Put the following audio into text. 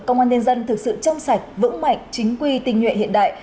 công an nhân dân thực sự trong sạch vững mạnh chính quy tình nhuệ hiện đại